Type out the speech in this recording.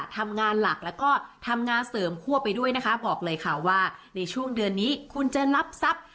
ทำงานหลักแล้วก็ทำงานเสริมคั่วไปด้วยนะคะบอกเลยค่ะว่าในช่วงเดือนนี้คุณจะรับทรัพย์